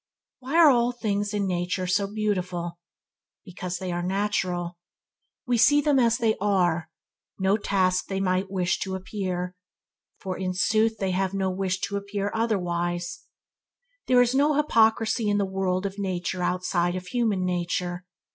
Why are all things in nature so beautiful? Because they are natural. We see them as they are, no task they might wish to appear, for in sooth they have no wish to appear, for in sooth they have no wish to appear otherwise. There is no hypocrisy in the world of nature outside of human nature.